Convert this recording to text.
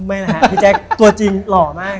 ไม่นะฮะพี่แจ๊คตัวจริงหล่อมาก